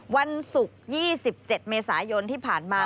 วันศุกร์๒๗เมษายนที่ผ่านมา